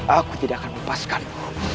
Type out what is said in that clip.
aku tidak akan melepaskanmu